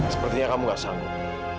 sepertinya kamu nggak sanggup